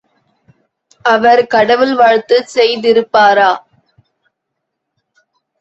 அவர் கடவுள் வாழ்த்துச் செய்திருப்பாரா?